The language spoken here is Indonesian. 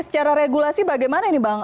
secara regulasi bagaimana ini bang